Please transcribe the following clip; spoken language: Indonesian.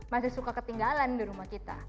masih suka ketinggalan di rumah kita